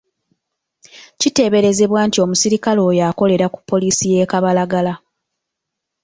Kiteeberezebwa nti omusirikale oyo akolera ku poliisi y'e Kabalagala.